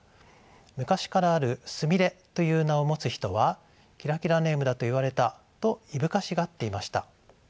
昔からある「菫」という名を持つ人はキラキラネームだと言われたといぶかしがっていました。